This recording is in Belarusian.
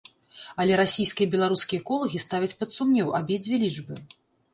Але расійскія і беларускія эколагі ставяць пад сумнеў абедзве лічбы.